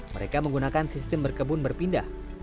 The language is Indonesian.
mereka menggunakan sistem berkebun berpindah